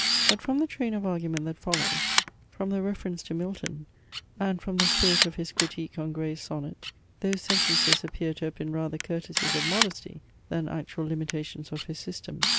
But from the train of argument that follows; from the reference to Milton; and from the spirit of his critique on Gray's sonnet; those sentences appear to have been rather courtesies of modesty, than actual limitations of his system.